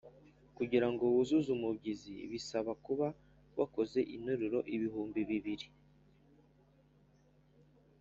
kugirango wuzuze umubyizi bisaba kuba wakoze interuro ibihumbi bibiri